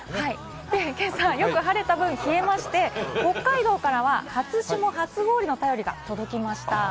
今朝はよく晴れた分、冷えまして、北海道からは初霜、初氷の便りが届きました。